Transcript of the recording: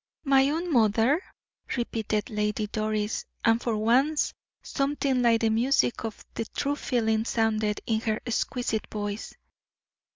"My own mother?" repeated Lady Doris, and for once something like the music of true feeling sounded in her exquisite voice.